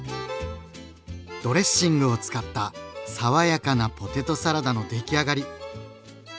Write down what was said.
ドレッシングを使った爽やかなポテトサラダの出来上がり。